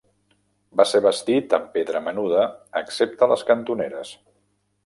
Va ser bastit amb pedra menuda excepte les cantoneres.